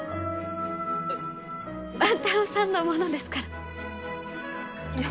万太郎さんのものですから。